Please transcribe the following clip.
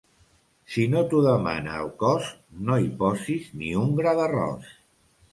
Si no t'ho demana el cos, no hi posis ni un gra d'arròs.